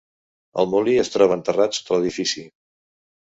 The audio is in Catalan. El molí es troba enterrat sota l’edifici.